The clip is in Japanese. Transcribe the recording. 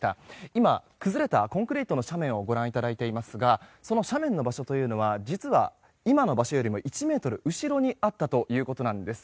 今、崩れたコンクリートの斜面をご覧いただいていますがその場所は今の場所よりも１ｍ後ろにあったということなんです。